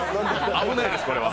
危ないです、これは。